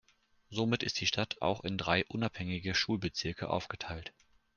Somit ist die Stadt auch in drei unabhängige Schulbezirke aufgeteilt.